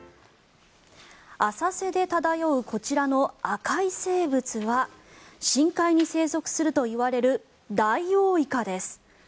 浅瀬で漂う、こちらの赤い生物は深海に生息するといわれるダイオウイカです。